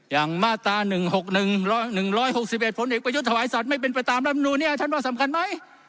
อย่างมาตรา๑๖๑๖๑ผลเอกประยุทธ์ถวายสัตว์ไม่เป็นไปตามรัฐมนูนเนี่ยท่านว่าสำคัญไหม